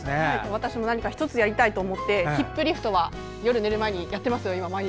私も何か１つやりたいと思ってヒップリフトは夜寝る前にやってますよ、毎日。